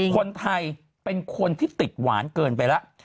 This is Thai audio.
คนไทยเป็นคนที่ติดหวานเกินไปแล้ว